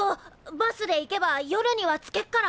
バスで行けば夜には着けっから。